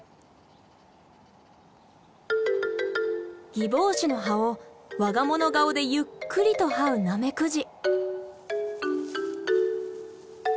ギボウシの葉をわが物顔でゆっくりと這うナメクジ。